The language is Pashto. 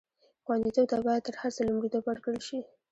خوندیتوب ته باید تر هر څه لومړیتوب ورکړل شي.